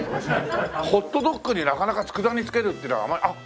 ホットドッグになかなか佃煮つけるっていうのはあまりあっ！